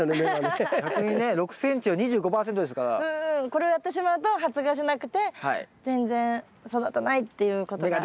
これをやってしまうと発芽しなくて全然育たないっていうことが。